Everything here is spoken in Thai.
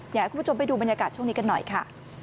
อยากให้คุณผู้ชมไปดูบรรยากาศช่วงนี้กันหน่อยค่ะ